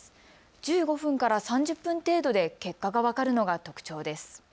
１５分から３０分程度で結果が分かるのが特徴です。